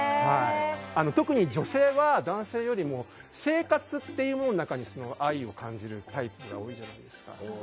特に、女性は男性よりも生活っていうものの中に愛を感じるタイプが多いじゃないですか。